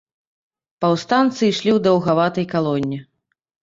Паўстанцы ішлі ў даўгаватай калоне.